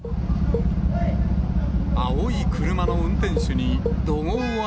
青い車の運転手に、怒号を浴